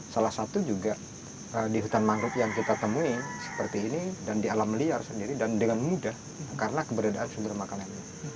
salah satu juga di hutan mangrove yang kita temui seperti ini dan di alam liar sendiri dan dengan mudah karena keberadaan sumber makanannya